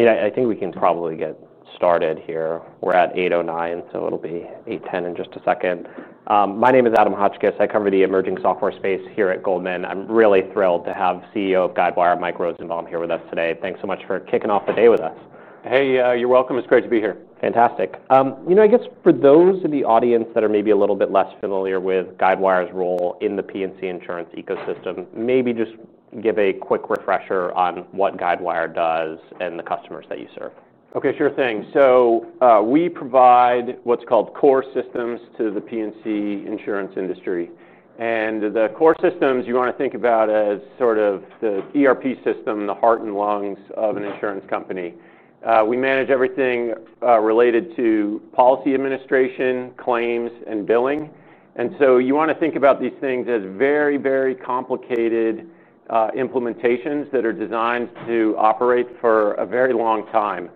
I think we can probably get started here. We're at 8:09, so it'll be 8:10 in just a second. My name is Adam Hotchkiss. I cover the emerging software space here at Goldman Sachs. I'm really thrilled to have CEO of Guidewire Software, Mike Rosenbaum, here with us today. Thanks so much for kicking off the day with us. Hey, you're welcome. It's great to be here. Fantastic. I guess for those in the audience that are maybe a little bit less familiar with Guidewire's role in the P&C insurance ecosystem, maybe just give a quick refresher on what Guidewire does and the customers that you serve. Sure thing. We provide what's called core systems to the P&C insurance industry. The core systems you want to think about as sort of the ERP system, the heart and lungs of an insurance company. We manage everything related to policy administration, claims, and billing. You want to think about these things as very, very complicated implementations that are designed to operate for a very long time.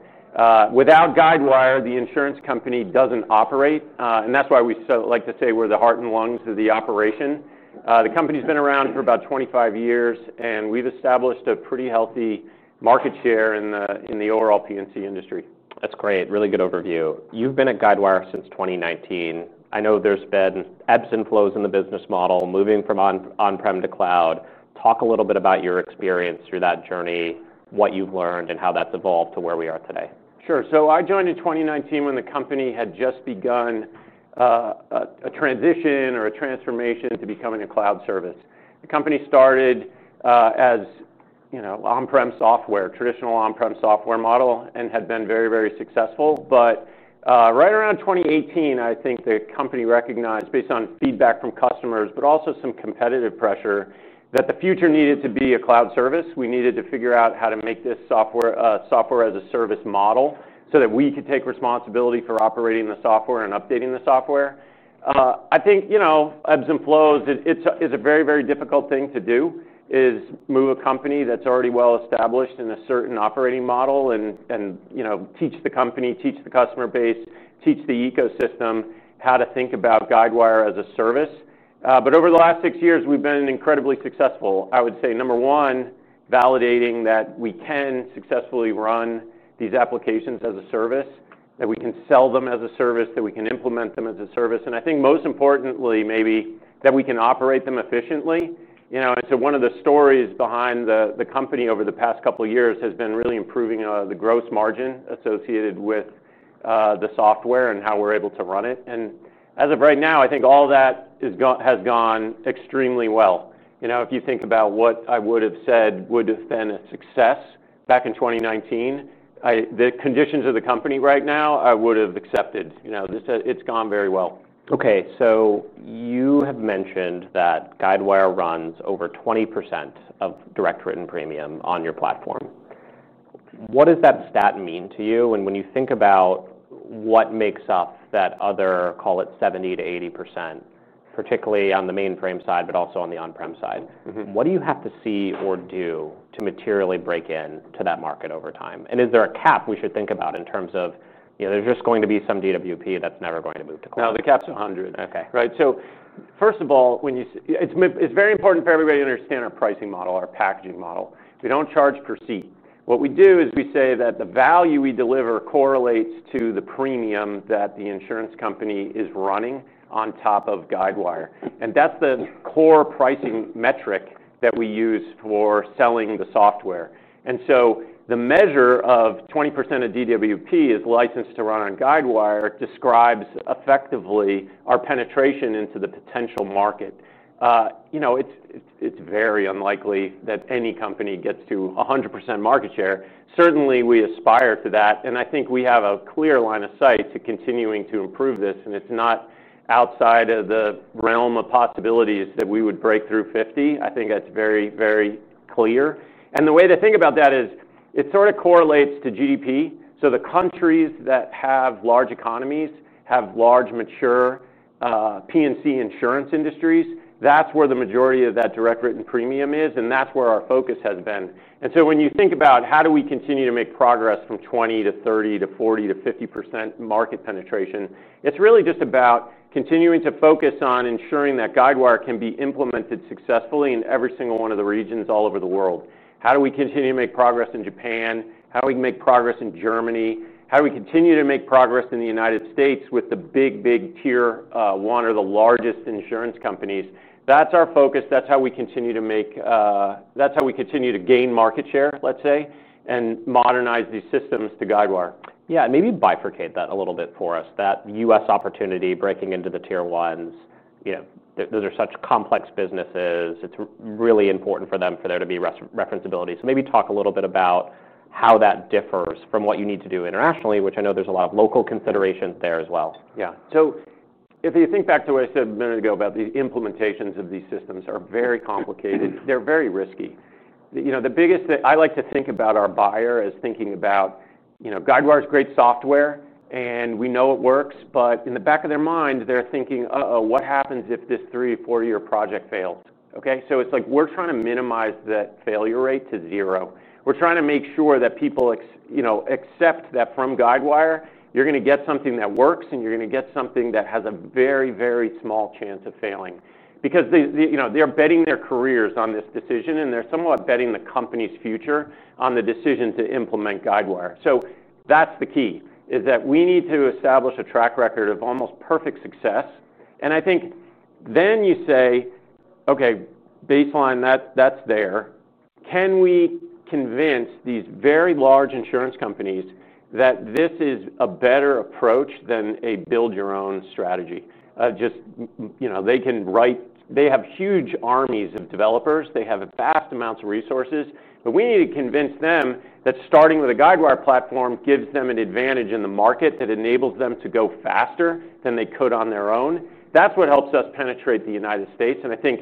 Without Guidewire, the insurance company doesn't operate. That's why we like to say we're the heart and lungs of the operation. The company's been around for about 25 years, and we've established a pretty healthy market share in the overall P&C industry. That's great. Really good overview. You've been at Guidewire since 2019. I know there's been ebbs and flows in the business model moving from on-premises software to cloud. Talk a little bit about your experience through that journey, what you've learned, and how that's evolved to where we are today. Sure. I joined in 2019 when the company had just begun a transition or a transformation to becoming a cloud service. The company started as on-premises software, traditional on-premises software model, and had been very, very successful. Right around 2018, I think the company recognized, based on feedback from customers, but also some competitive pressure, that the future needed to be a cloud service. We needed to figure out how to make this software as a service model so that we could take responsibility for operating the software and updating the software. Ebbs and flows, it's a very, very difficult thing to do, to move a company that's already well established in a certain operating model and teach the company, teach the customer base, teach the ecosystem how to think about Guidewire as a service. Over the last six years, we've been incredibly successful, I would say. Number one, validating that we can successfully run these applications as a service, that we can sell them as a service, that we can implement them as a service. I think most importantly, maybe, that we can operate them efficiently. One of the stories behind the company over the past couple of years has been really improving the gross margin associated with the software and how we're able to run it. As of right now, I think all that has gone extremely well. If you think about what I would have said would have been a success back in 2019, the conditions of the company right now, I would have accepted. It's gone very well. OK, so you have mentioned that Guidewire runs over 20% of direct written premium on your platform. What does that stat mean to you? When you think about what makes up that other, call it 70%-80%, particularly on the mainframe side, but also on the on-premises side, what do you have to see or do to materially break into that market over time? Is there a cap we should think about in terms of, you know, there's just going to be some DWP that's never going to move to cloud? No, the cap's $100. OK. Right. First of all, it's very important for everybody to understand our pricing model, our packaging model. We don't charge per seat. What we do is we say that the value we deliver correlates to the premium that the insurance company is running on top of Guidewire. That's the core pricing metric that we use for selling the software. The measure of 20% of DWP is licensed to run on Guidewire describes effectively our penetration into the potential market. It's very unlikely that any company gets to 100% market share. Certainly, we aspire to that. I think we have a clear line of sight to continuing to improve this. It's not outside of the realm of possibilities that we would break through 50%. I think that's very, very clear. The way to think about that is it sort of correlates to GDP. The countries that have large economies, have large, mature P&C insurance industries, that's where the majority of that direct written premium is, and that's where our focus has been. When you think about how do we continue to make progress from 20% to 30% to 40% to 50% market penetration, it's really just about continuing to focus on ensuring that Guidewire can be implemented successfully in every single one of the regions all over the world. How do we continue to make progress in Japan? How do we make progress in Germany? How do we continue to make progress in the United States with the big, big tier-one or the largest insurance companies? That's our focus. That's how we continue to gain market share, let's say, and modernize these systems to Guidewire. Yeah, and maybe bifurcate that a little bit for us, that the U.S. opportunity breaking into the tier-one insurers, you know, those are such complex businesses. It's really important for them for there to be referenceability. Maybe talk a little bit about how that differs from what you need to do internationally, which I know there's a lot of local consideration there as well. Yeah. If you think back to what I said a minute ago about the implementations of these systems, they are very complicated. They're very risky. The biggest thing I like to think about is our buyer is thinking about Guidewire's great software, and we know it works. In the back of their mind, they're thinking, uh-oh, what happens if this three or four-year project fails? We're trying to minimize that failure rate to zero. We're trying to make sure that people accept that from Guidewire, you're going to get something that works, and you're going to get something that has a very, very small chance of failing. They're betting their careers on this decision, and they're somewhat betting the company's future on the decision to implement Guidewire. The key is that we need to establish a track record of almost perfect success. I think then you say, OK, baseline that's there. Can we convince these very large insurance companies that this is a better approach than a build-your-own strategy? They can write, they have huge armies of developers. They have vast amounts of resources. We need to convince them that starting with a Guidewire platform gives them an advantage in the market that enables them to go faster than they could on their own. That's what helps us penetrate the United States. I think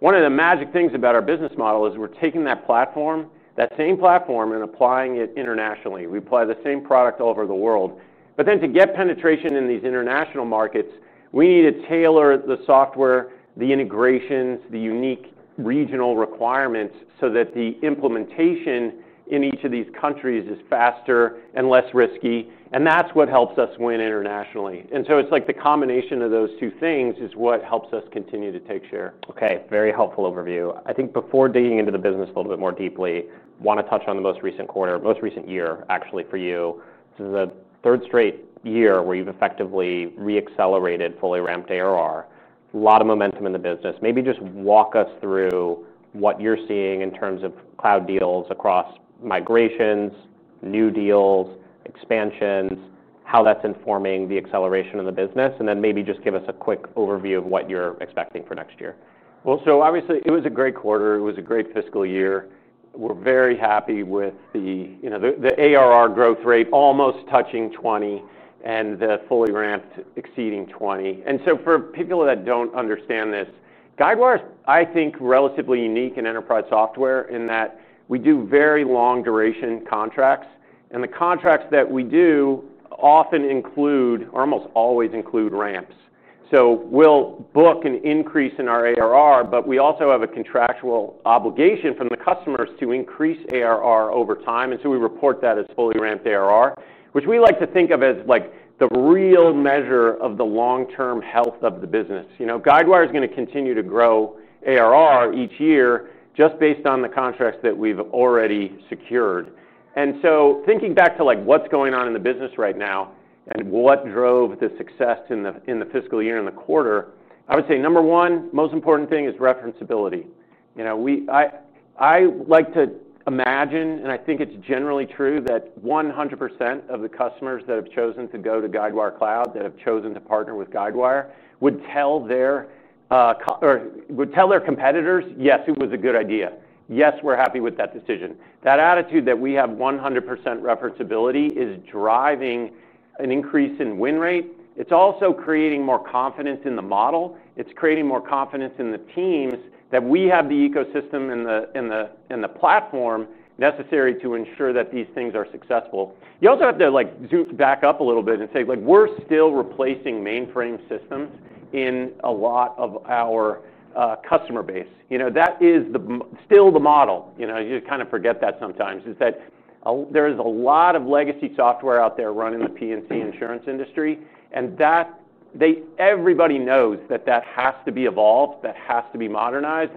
one of the magic things about our business model is we're taking that platform, that same platform, and applying it internationally. We apply the same product all over the world. To get penetration in these international markets, we need to tailor the software, the integrations, the unique regional requirements so that the implementation in each of these countries is faster and less risky. That's what helps us win internationally. The combination of those two things is what helps us continue to take share. OK, very helpful overview. I think before digging into the business a little bit more deeply, I want to touch on the most recent quarter, most recent year actually for you. This is a third straight year where you've effectively re-accelerated, fully ramped ARR. A lot of momentum in the business. Maybe just walk us through what you're seeing in terms of cloud deals across migrations, new deals, expansions, how that's informing the acceleration in the business. Maybe just give us a quick overview of what you're expecting for next year. Obviously, it was a great quarter. It was a great fiscal year. We're very happy with the ARR growth rate almost touching 20%, and the fully ramped exceeding 20%. For people that don't understand this, Guidewire is, I think, relatively unique in enterprise software in that we do very long-duration contracts. The contracts that we do often include, or almost always include, ramps. We'll book an increase in our ARR, but we also have a contractual obligation from the customers to increase ARR over time. We report that as fully ramped ARR, which we like to think of as the real measure of the long-term health of the business. Guidewire Software is going to continue to grow ARR each year just based on the contracts that we've already secured. Thinking back to what's going on in the business right now and what drove the success in the fiscal year and the quarter, I would say number one, most important thing is referenceability. I like to imagine, and I think it's generally true, that 100% of the customers that have chosen to go to Guidewire Cloud, that have chosen to partner with Guidewire, would tell their competitors, yes, it was a good idea. Yes, we're happy with that decision. That attitude that we have 100% referenceability is driving an increase in win rate. It's also creating more confidence in the model. It's creating more confidence in the teams that we have the ecosystem and the platform necessary to ensure that these things are successful. You also have to zoom back up a little bit and say, we're still replacing mainframe systems in a lot of our customer base. That is still the model. You kind of forget that sometimes, that there is a lot of legacy software out there running the P&C insurance industry. Everybody knows that that has to be evolved, that has to be modernized.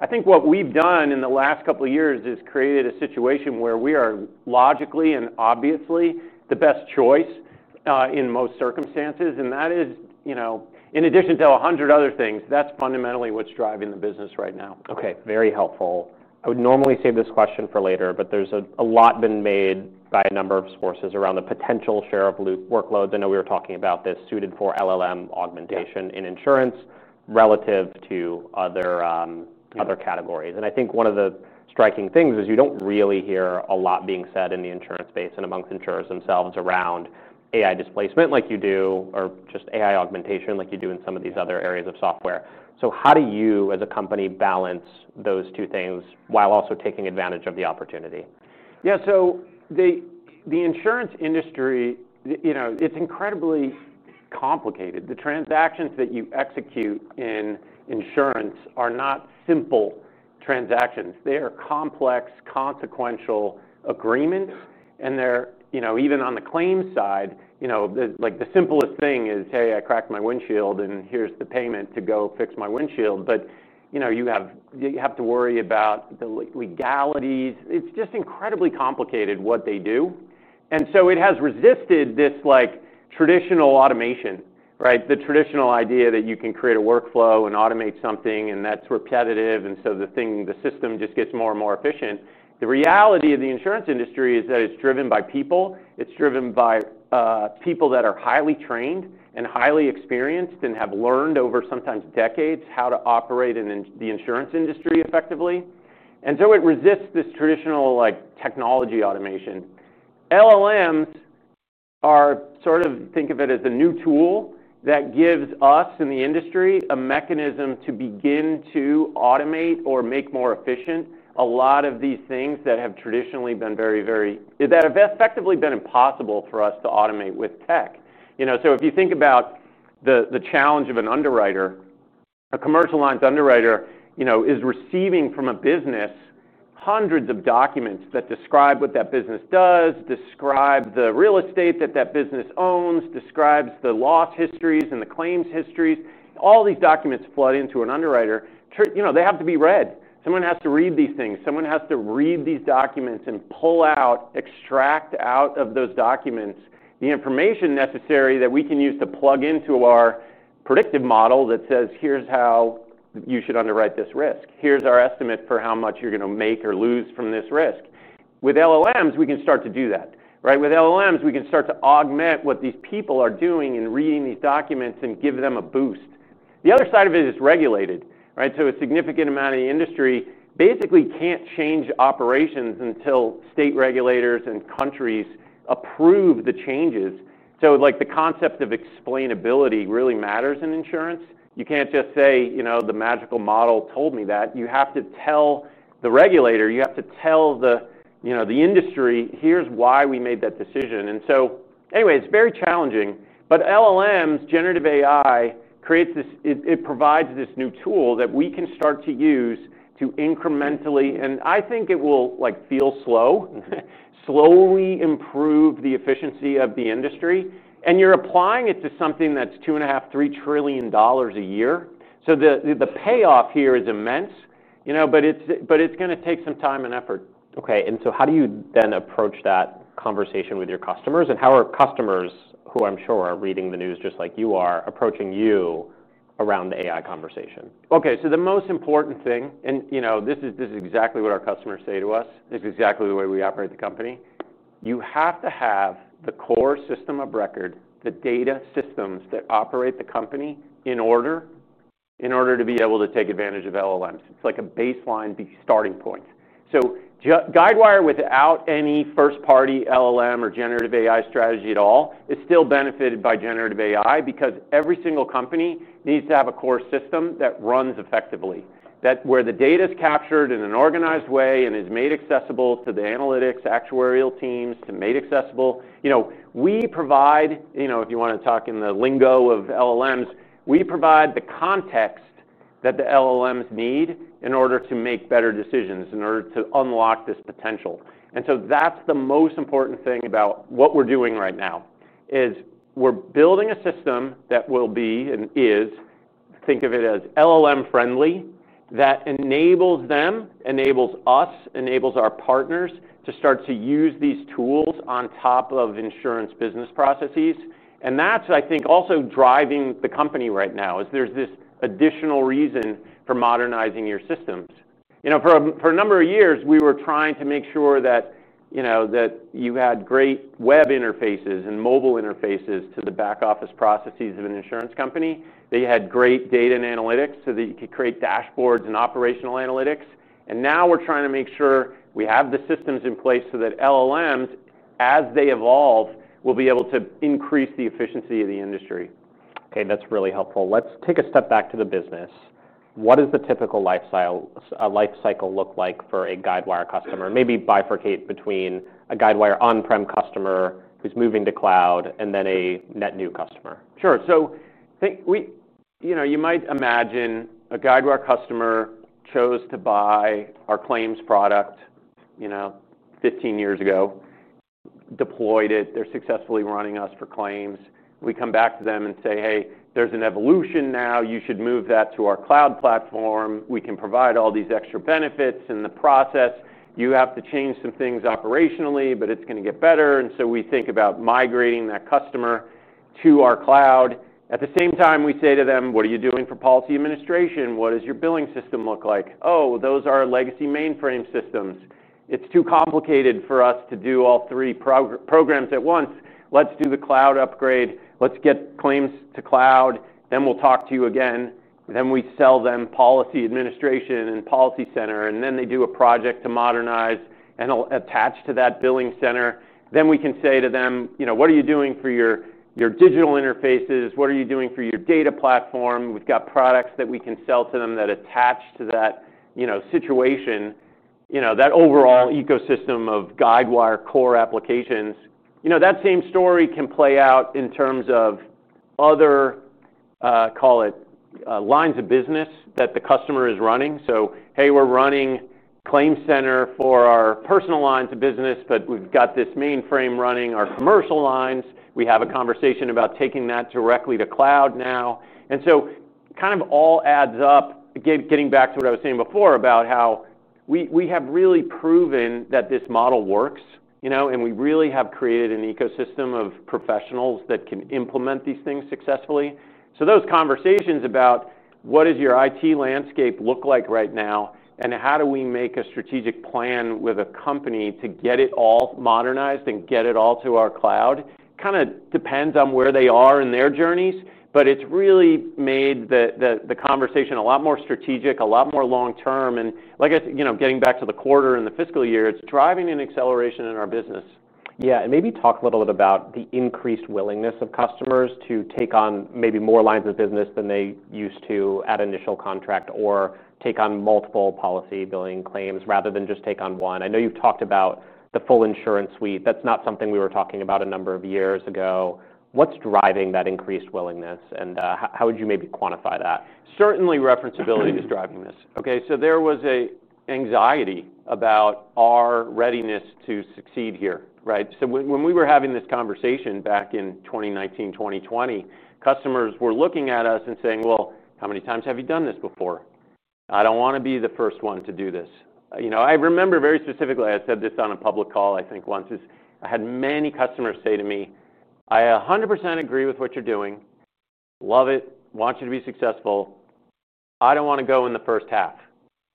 I think what we've done in the last couple of years is created a situation where we are logically and obviously the best choice in most circumstances. That is, in addition to 100 other things, fundamentally what's driving the business right now. OK, very helpful. I would normally save this question for later, but there's a lot been made by a number of sources around the potential share of workloads. I know we were talking about this suited for LLM augmentation in insurance relative to other categories. I think one of the striking things is you don't really hear a lot being said in the insurance space and amongst insurers themselves around AI displacement like you do, or just AI augmentation like you do in some of these other areas of software. How do you, as a company, balance those two things while also taking advantage of the opportunity? Yeah, so the insurance industry, you know, it's incredibly complicated. The transactions that you execute in insurance are not simple transactions. They are complex, consequential agreements. They're, you know, even on the claims side, like the simplest thing is, hey, I cracked my windshield, and here's the payment to go fix my windshield. You have to worry about the legalities. It's just incredibly complicated what they do. It has resisted this traditional automation, right? The traditional idea that you can create a workflow and automate something, and that's repetitive. The system just gets more and more efficient. The reality of the insurance industry is that it's driven by people. It's driven by people that are highly trained and highly experienced and have learned over sometimes decades how to operate in the insurance industry effectively. It resists this traditional technology automation. LLMs are sort of, think of it as a new tool that gives us in the industry a mechanism to begin to automate or make more efficient a lot of these things that have traditionally been very, very, that have effectively been impossible for us to automate with tech. If you think about the challenge of an underwriter, a commercial lines underwriter is receiving from a business hundreds of documents that describe what that business does, describe the real estate that that business owns, describes the loss histories and the claims histories. All these documents flood into an underwriter. They have to be read. Someone has to read these things. Someone has to read these documents and pull out, extract out of those documents the information necessary that we can use to plug into our predictive model that says, here's how you should underwrite this risk. Here's our estimate for how much you're going to make or lose from this risk. With LLMs, we can start to do that, right? With LLMs, we can start to augment what these people are doing in reading these documents and give them a boost. The other side of it is regulated, right? A significant amount of the industry basically can't change operations until state regulators and countries approve the changes. The concept of explainability really matters in insurance. You can't just say, you know, the magical model told me that. You have to tell the regulator. You have to tell the industry, here's why we made that decision. It's very challenging. LLMs, generative AI, creates this, it provides this new tool that we can start to use to incrementally, and I think it will feel slow, slowly improve the efficiency of the industry. You're applying it to something that's $2.5 trillion-$3 trillion a year. The payoff here is immense, you know, but it's going to take some time and effort. OK, how do you then approach that conversation with your customers? How are customers, who I'm sure are reading the news just like you are, approaching you around the AI conversation? OK, the most important thing, and you know, this is exactly what our customers say to us. This is exactly the way we operate the company. You have to have the core system of record, the data systems that operate the company in order to be able to take advantage of LLMs. It's like a baseline starting point. Guidewire, without any first-party LLM or generative AI strategy at all, is still benefited by generative AI because every single company needs to have a core system that runs effectively, where the data is captured in an organized way and is made accessible to the analytics actuarial teams to make it accessible. We provide, if you want to talk in the lingo of LLMs, we provide the context that the LLMs need in order to make better decisions, in order to unlock this potential. That's the most important thing about what we're doing right now, is we're building a system that will be, and is, think of it as LLM-friendly, that enables them, enables us, enables our partners to start to use these tools on top of insurance business processes. That's what I think also driving the company right now, is there's this additional reason for modernizing your systems. For a number of years, we were trying to make sure that you had great web interfaces and mobile interfaces to the back-office processes of an insurance company. They had great data and analytics so that you could create dashboards and operational analytics. Now we're trying to make sure we have the systems in place so that LLMs, as they evolve, will be able to increase the efficiency of the industry. That's really helpful. Let's take a step back to the business. What does the typical lifecycle look like for a Guidewire customer? Maybe bifurcate between a Guidewire on-premises customer who's moving to cloud and then a net new customer. Sure. You might imagine a Guidewire customer chose to buy our claims product 15 years ago, deployed it. They're successfully running us for claims. We come back to them and say, hey, there's an evolution now. You should move that to our cloud platform. We can provide all these extra benefits in the process. You have to change some things operationally, but it's going to get better. We think about migrating that customer to our cloud. At the same time, we say to them, what are you doing for policy administration? What does your billing system look like? Oh, those are legacy mainframe systems. It's too complicated for us to do all three programs at once. Let's do the cloud upgrade. Let's get claims to cloud. We talk to you again. We sell them policy administration and Policy Center. They do a project to modernize and attach to that BillingCenter. We can say to them, you know, what are you doing for your digital interfaces? What are you doing for your data platform? We've got products that we can sell to them that attach to that situation, that overall ecosystem of Guidewire core applications. That same story can play out in terms of other, call it, lines of business that the customer is running. Hey, we're running ClaimCenter for our personal lines of business, but we've got this mainframe running our commercial lines. We have a conversation about taking that directly to cloud now. It kind of all adds up, getting back to what I was saying before about how we have really proven that this model works, and we really have created an ecosystem of professionals that can implement these things successfully. Those conversations about what does your IT landscape look like right now, and how do we make a strategic plan with a company to get it all modernized and get it all to our cloud kind of depends on where they are in their journeys. It's really made the conversation a lot more strategic, a lot more long-term. Like I said, getting back to the quarter and the fiscal year, it's driving an acceleration in our business. Yeah, and maybe talk a little bit about the increased willingness of customers to take on maybe more lines of business than they used to at initial contract or take on multiple policy, billing, claims rather than just take on one. I know you've talked about the full InsuranceSuite. That's not something we were talking about a number of years ago. What's driving that increased willingness? How would you maybe quantify that? Certainly, referenceability is driving this. There was an anxiety about our readiness to succeed here, right? When we were having this conversation back in 2019, 2020, customers were looking at us and saying, how many times have you done this before? I don't want to be the first one to do this. I remember very specifically, I said this on a public call, I think, once, is I had many customers say to me, I 100% agree with what you're doing. Love it. Want you to be successful. I don't want to go in the first half.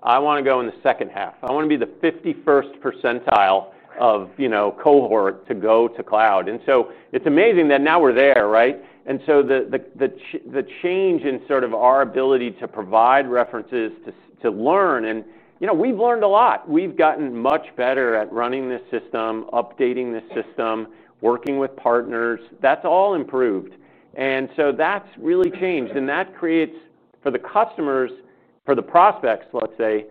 I want to go in the second half. I want to be the 51st percentile of, you know, cohort to go to cloud. It's amazing that now we're there, right? The change in sort of our ability to provide references, to learn, and you know, we've learned a lot. We've gotten much better at running this system, updating this system, working with partners. That's all improved. That's really changed. That creates for the customers, for the prospects, let's say,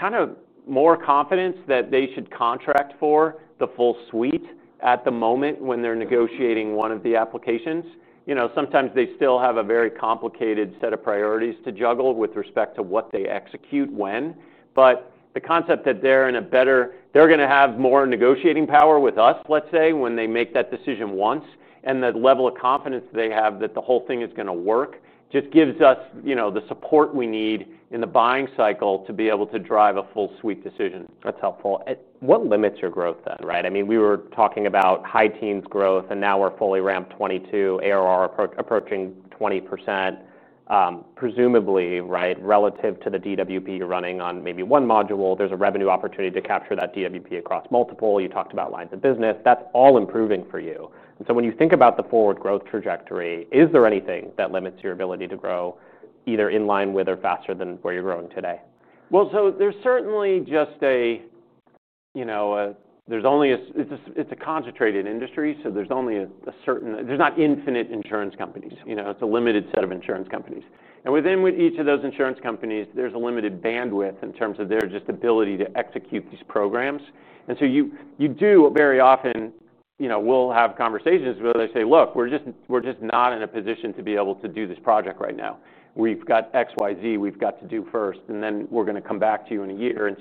kind of more confidence that they should contract for the full suite at the moment when they're negotiating one of the applications. Sometimes they still have a very complicated set of priorities to juggle with respect to what they execute when. The concept that they're in a better, they're going to have more negotiating power with us, let's say, when they make that decision once. The level of confidence they have that the whole thing is going to work just gives us, you know, the support we need in the buying cycle to be able to drive a full suite decision. That's helpful. What limits your growth then, right? I mean, we were talking about high teens growth, and now you're fully ramped 2022, ARR approaching 20%, presumably, right, relative to the DWP you're running on maybe one module. There's a revenue opportunity to capture that DWP across multiple. You talked about lines of business. That's all improving for you. When you think about the forward growth trajectory, is there anything that limits your ability to grow either in line with or faster than where you're growing today? There is certainly just a, you know, it's a concentrated industry. There is only a certain, there's not infinite insurance companies. It's a limited set of insurance companies. Within each of those insurance companies, there's a limited bandwidth in terms of their just ability to execute these programs. You do very often, you know, we'll have conversations where they say, look, we're just not in a position to be able to do this project right now. We've got X, Y, Z we've got to do first, and then we're going to come back to you in a year.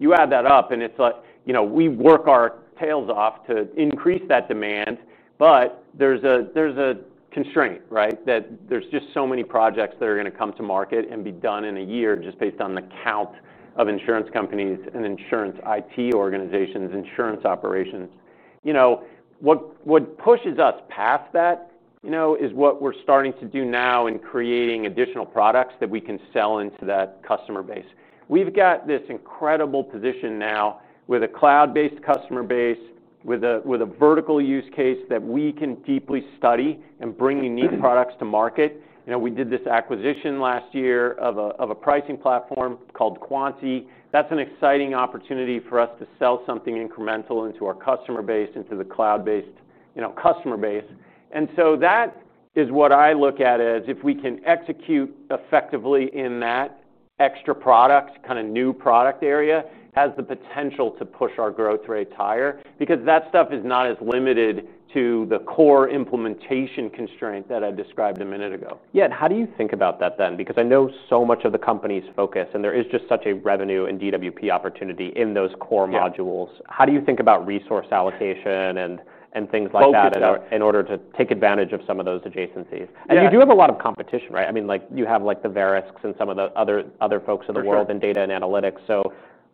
You add that up, and it's like, you know, we work our tails off to increase that demand. There is a constraint, right, that there's just so many projects that are going to come to market and be done in a year just based on the count of insurance companies and insurance IT organizations, insurance operations. What pushes us past that is what we're starting to do now in creating additional products that we can sell into that customer base. We've got this incredible position now with a cloud-based customer base, with a vertical use case that we can deeply study and bring unique products to market. We did this acquisition last year of a pricing platform called Quanti. That's an exciting opportunity for us to sell something incremental into our customer base, into the cloud-based, you know, customer base. That is what I look at as if we can execute effectively in that extra products, kind of new product area, has the potential to push our growth rates higher because that stuff is not as limited to the core implementation constraint that I described a minute ago. Yeah, how do you think about that then? I know so much of the company's focus, and there is just such a revenue and DWP opportunity in those core modules. How do you think about resource allocation and things like that in order to take advantage of some of those adjacencies? You do have a lot of competition, right? I mean, you have the Verisks and some of the other folks in the world in data and analytics.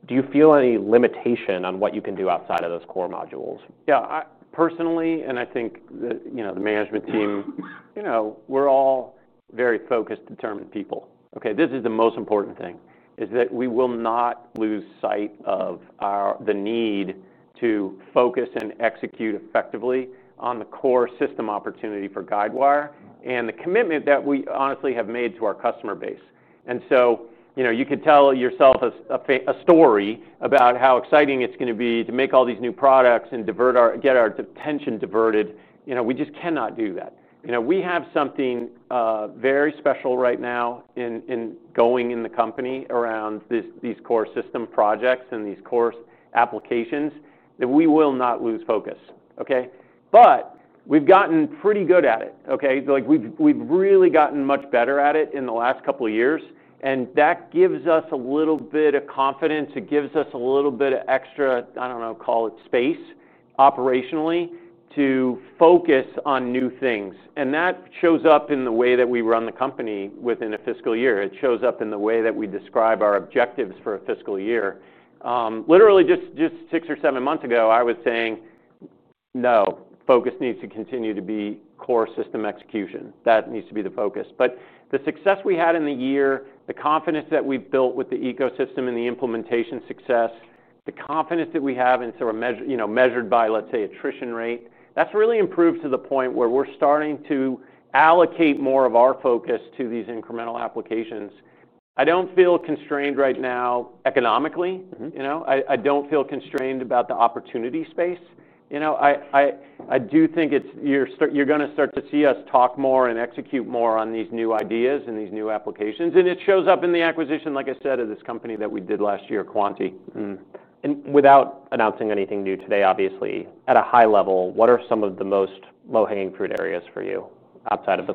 Do you feel any limitation on what you can do outside of those core modules? Yeah, personally, and I think, you know, the management team, you know, we're all very focused, determined people. This is the most important thing, is that we will not lose sight of the need to focus and execute effectively on the core system opportunity for Guidewire and the commitment that we honestly have made to our customer base. You could tell yourself a story about how exciting it's going to be to make all these new products and get our attention diverted. We just cannot do that. We have something very special right now in going in the company around these core system projects and these core applications that we will not lose focus. We've gotten pretty good at it. We've really gotten much better at it in the last couple of years. That gives us a little bit of confidence. It gives us a little bit of extra, I don't know, call it space operationally to focus on new things. That shows up in the way that we run the company within a fiscal year. It shows up in the way that we describe our objectives for a fiscal year. Literally, just six or seven months ago, I was saying, no, focus needs to continue to be core system execution. That needs to be the focus. The success we had in the year, the confidence that we've built with the ecosystem and the implementation success, the confidence that we have in sort of measured by, let's say, attrition rate, that's really improved to the point where we're starting to allocate more of our focus to these incremental applications. I don't feel constrained right now economically. I don't feel constrained about the opportunity space. I do think you're going to start to see us talk more and execute more on these new ideas and these new applications. It shows up in the acquisition, like I said, of this company that we did last year, Quanti. Without announcing anything new today, obviously, at a high level, what are some of the most low-hanging fruit areas for you outside of the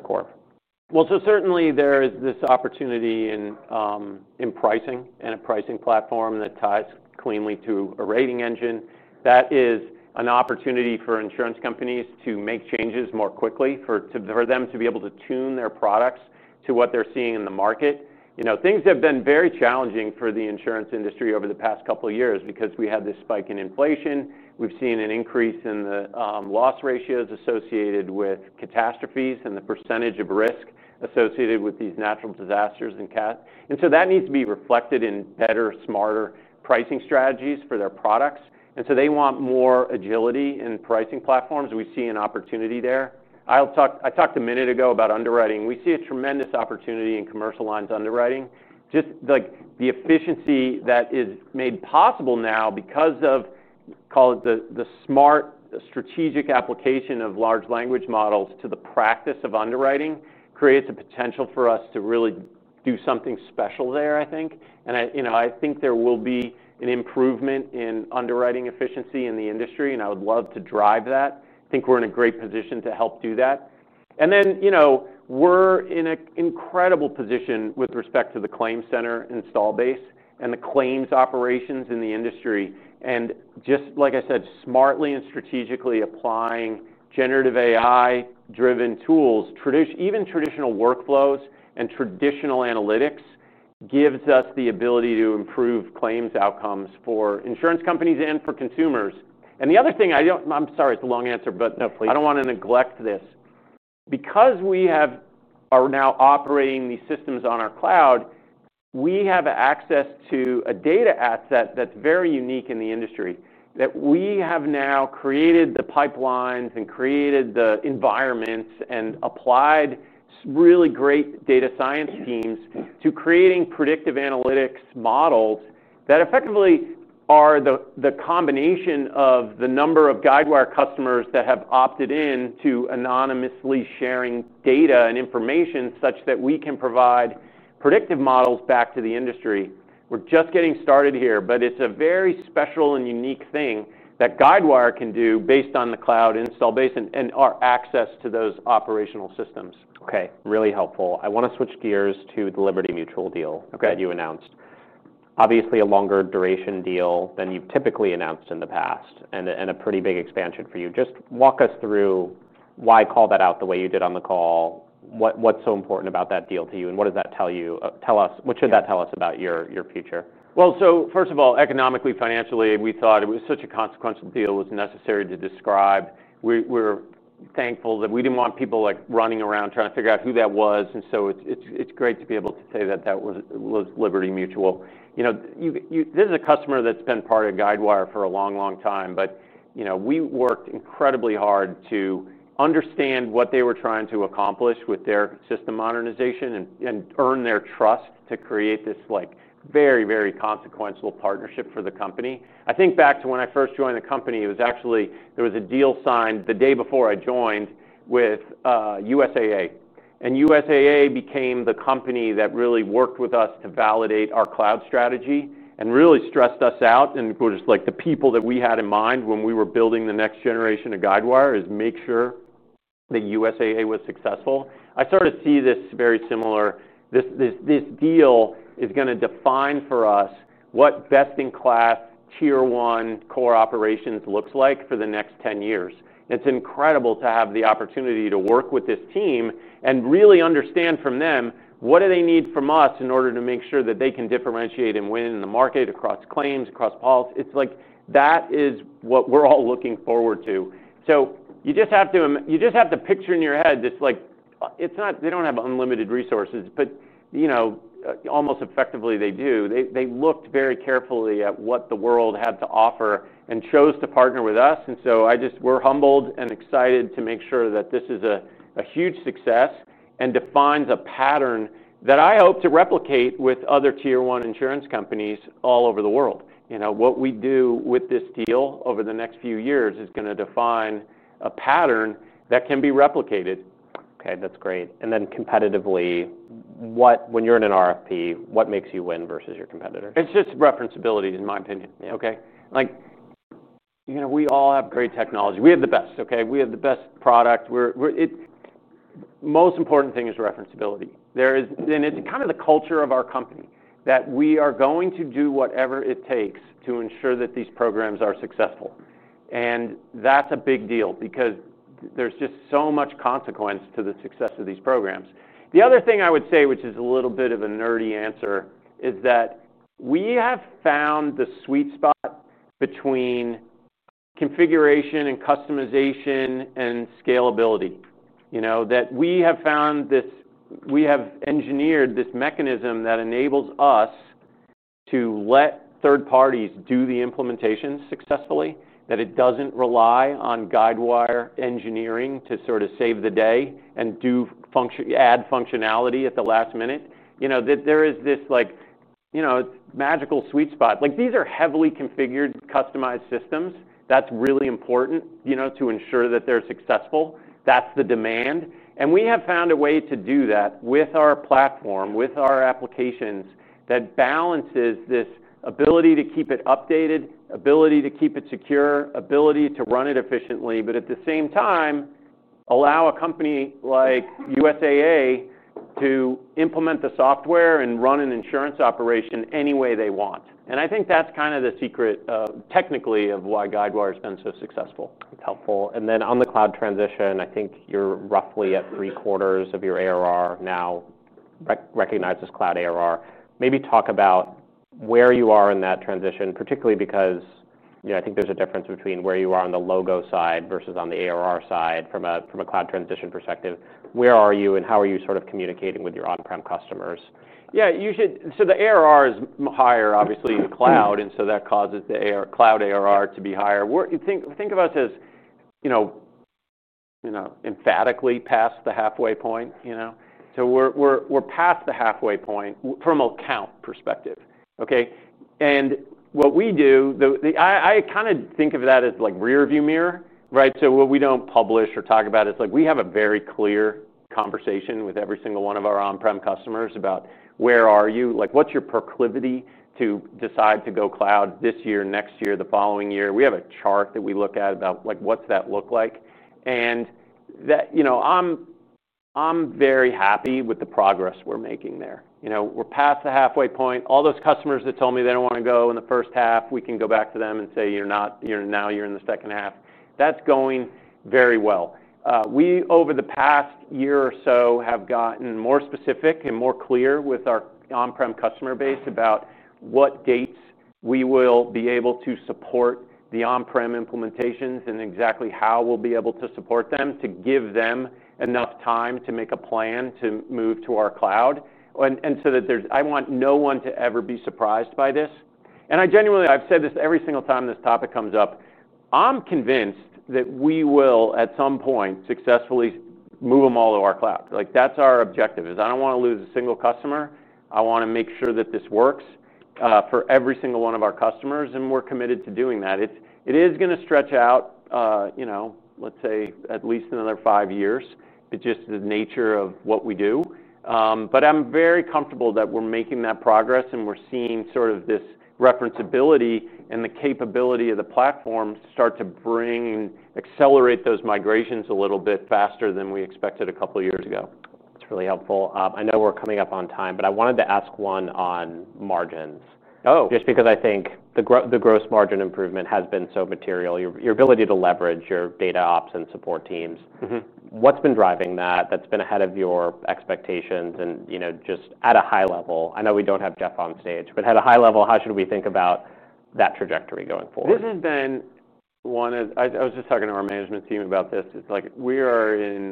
core? There is this opportunity in pricing and a pricing platform that ties cleanly to a rating engine. That is an opportunity for insurance companies to make changes more quickly for them to be able to tune their products to what they're seeing in the market. Things have been very challenging for the insurance industry over the past couple of years because we had this spike in inflation. We've seen an increase in the loss ratios associated with catastrophes and the % of risk associated with these natural disasters and catastrophes. That needs to be reflected in better, smarter pricing strategies for their products. They want more agility in pricing platforms. We see an opportunity there. I talked a minute ago about underwriting. We see a tremendous opportunity in commercial lines underwriting. Just like the efficiency that is made possible now because of, call it, the smart strategic application of large language models to the practice of underwriting creates a potential for us to really do something special there, I think. I think there will be an improvement in underwriting efficiency in the industry, and I would love to drive that. I think we're in a great position to help do that. We're in an incredible position with respect to the ClaimCenter install base and the claims operations in the industry. Just like I said, smartly and strategically applying generative AI-driven tools, even traditional workflows and traditional analytics, gives us the ability to improve claims outcomes for insurance companies and for consumers. The other thing, I'm sorry, it's a long answer, but I don't want to neglect this. Because we are now operating these systems on our cloud, we have access to a data asset that's very unique in the industry, that we have now created the pipelines and created the environments and applied really great data science teams to creating predictive analytics models that effectively are the combination of the number of Guidewire Software customers that have opted in to anonymously sharing data and information such that we can provide predictive models back to the industry. We're just getting started here, but it's a very special and unique thing that Guidewire can do based on the cloud install base and our access to those operational systems. OK, really helpful. I want to switch gears to the Liberty Mutual deal that you announced. Obviously, a longer duration deal than you've typically announced in the past and a pretty big expansion for you. Just walk us through why call that out the way you did on the call. What's so important about that deal to you? What does that tell you? Tell us, what should that tell us about your future? First of all, economically, financially, we thought it was such a consequential deal it was necessary to describe. We're thankful that we didn't want people running around trying to figure out who that was. It's great to be able to say that that was Liberty Mutual. This is a customer that's been part of Guidewire for a long, long time. We worked incredibly hard to understand what they were trying to accomplish with their system modernization and earn their trust to create this very, very consequential partnership for the company. I think back to when I first joined the company, there was a deal signed the day before I joined with USAA. USAA became the company that really worked with us to validate our cloud strategy and really stressed us out. Of course, the people that we had in mind when we were building the next generation of Guidewire is make sure that USAA was successful. I sort of see this very similar. This deal is going to define for us what best-in-class tier-one core operations looks like for the next 10 years. It's incredible to have the opportunity to work with this team and really understand from them what do they need from us in order to make sure that they can differentiate and win in the market across claims, across policy. That is what we're all looking forward to. You just have to picture in your head this, it's not, they don't have unlimited resources, but almost effectively they do. They looked very carefully at what the world had to offer and chose to partner with us. We're humbled and excited to make sure that this is a huge success and defines a pattern that I hope to replicate with other tier-one insurance companies all over the world. What we do with this deal over the next few years is going to define a pattern that can be replicated. OK, that's great. When you're in an RFP, what makes you win versus your competitors? It's just referenceability, in my opinion. Like, you know, we all have great technology. We have the best, OK? We have the best product. The most important thing is referenceability. It's kind of the culture of our company that we are going to do whatever it takes to ensure that these programs are successful. That's a big deal because there's just so much consequence to the success of these programs. The other thing I would say, which is a little bit of a nerdy answer, is that we have found the sweet spot between configuration and customization and scalability. We have found this, we have engineered this mechanism that enables us to let third parties do the implementation successfully, that it doesn't rely on Guidewire engineering to sort of save the day and add functionality at the last minute. There is this, like, you know, magical sweet spot. These are heavily configured, customized systems. That's really important, you know, to ensure that they're successful. That's the demand. We have found a way to do that with our platform, with our applications that balances this ability to keep it updated, ability to keep it secure, ability to run it efficiently, but at the same time, allow a company like USAA to implement the software and run an insurance operation any way they want. I think that's kind of the secret, technically, of why Guidewire has been so successful. That's helpful. On the cloud transition, I think you're roughly at three quarters of your ARR now recognized as cloud ARR. Maybe talk about where you are in that transition, particularly because, you know, I think there's a difference between where you are on the logo side versus on the ARR side from a cloud transition perspective. Where are you and how are you sort of communicating with your on-prem customers? Yeah, you should, so the ARR is higher, obviously, in cloud. That causes the cloud ARR to be higher. Think of us as, you know, emphatically past the halfway point, you know. We're past the halfway point from an account perspective, OK? What we do, I kind of think of that as like rearview mirror, right? What we don't publish or talk about is we have a very clear conversation with every single one of our on-prem customers about where are you, like what's your proclivity to decide to go cloud this year, next year, the following year. We have a chart that we look at about like what's that look like. I'm very happy with the progress we're making there. We're past the halfway point. All those customers that told me they don't want to go in the first half, we can go back to them and say, you're not, now you're in the second half. That's going very well. Over the past year or so, we have gotten more specific and more clear with our on-prem customer base about what dates we will be able to support the on-prem implementations and exactly how we'll be able to support them to give them enough time to make a plan to move to our cloud. I want no one to ever be surprised by this. I genuinely, I've said this every single time this topic comes up. I'm convinced that we will, at some point, successfully move them all to our cloud. That's our objective. I don't want to lose a single customer. I want to make sure that this works for every single one of our customers. We're committed to doing that. It is going to stretch out, you know, let's say at least another five years. It's just the nature of what we do. I'm very comfortable that we're making that progress and we're seeing sort of this referenceability and the capability of the platforms start to bring and accelerate those migrations a little bit faster than we expected a couple of years ago. That's really helpful. I know we're coming up on time, but I wanted to ask one on margins. Oh. Just because I think the gross margin improvement has been so material, your ability to leverage your data ops and support teams, what's been driving that that's been ahead of your expectations? At a high level, I know we don't have Jeff on stage, but at a high level, how should we think about that trajectory going forward? This has been one of, I was just talking to our management team about this. It's like we are in,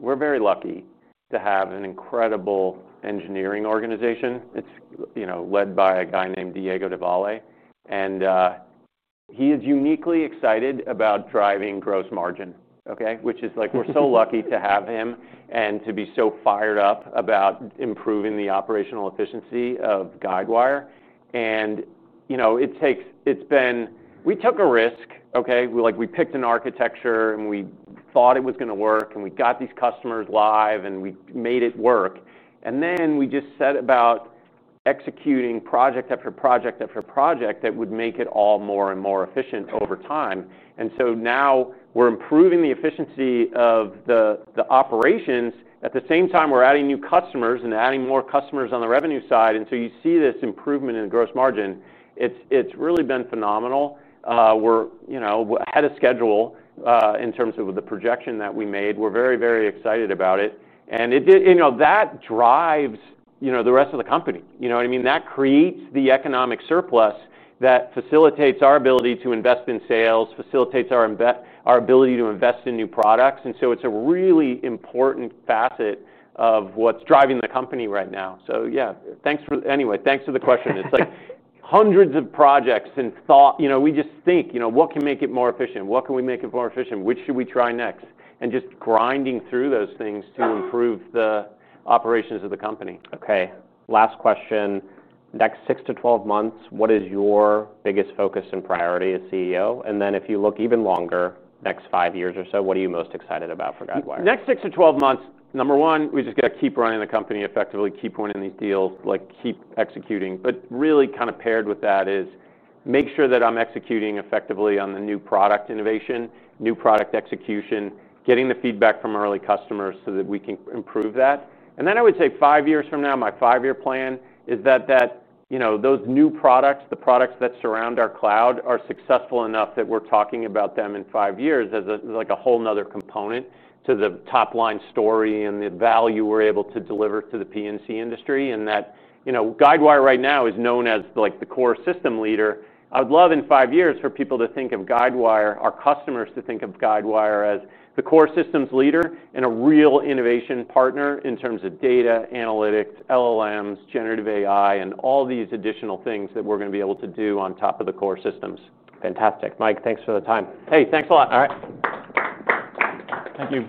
we're very lucky to have an incredible engineering organization. It's led by a guy named Diego Devalle. He is uniquely excited about driving gross margin, OK? Which is like we're so lucky to have him and to be so fired up about improving the operational efficiency of Guidewire. It takes, we took a risk, OK? We picked an architecture and we thought it was going to work and we got these customers live and we made it work. We just set about executing project after project after project that would make it all more and more efficient over time. Now we're improving the efficiency of the operations. At the same time, we're adding new customers and adding more customers on the revenue side. You see this improvement in gross margin. It's really been phenomenal. We're ahead of schedule in terms of the projection that we made. We're very, very excited about it. It did, that drives the rest of the company. You know what I mean? That creates the economic surplus that facilitates our ability to invest in sales, facilitates our ability to invest in new products. It's a really important facet of what's driving the company right now. Thanks for, anyway, thanks for the question. It's like hundreds of projects and thought, you know, we just think, you know, what can make it more efficient? What can we make it more efficient? Which should we try next? Just grinding through those things to improve the operations of the company. OK, last question. Next 6 months-12 months, what is your biggest focus and priority as CEO? If you look even longer, next five years or so, what are you most excited about for Guidewire? Next 6 months-12 months, number one, we just got to keep running the company effectively, keep winning these deals, keep executing. Really, paired with that is make sure that I'm executing effectively on the new product innovation, new product execution, getting the feedback from early customers so that we can improve that. I would say five years from now, my five-year plan is that those new products, the products that surround our cloud, are successful enough that we're talking about them in five years as a whole other component to the top-line story and the value we're able to deliver to the P&C industry. Guidewire right now is known as the core system leader. I would love in five years for people to think of Guidewire, our customers to think of Guidewire as the core systems leader and a real innovation partner in terms of data, analytics, LLMs, generative AI, and all these additional things that we're going to be able to do on top of the core systems. Fantastic. Mike, thanks for the time. Hey, thanks a lot. All right. Thank you.